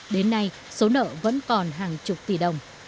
đến nay số nợ vẫn còn hàng chục tỷ đồng